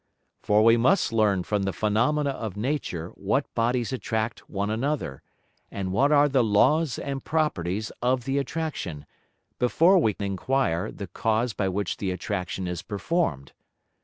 For we must learn from the Phænomena of Nature what Bodies attract one another, and what are the Laws and Properties of the Attraction, before we enquire the Cause by which the Attraction is perform'd.